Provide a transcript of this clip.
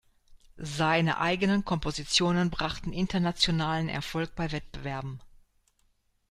Seine eigenen Kompositionen brachten internationalen Erfolg bei Wettbewerben.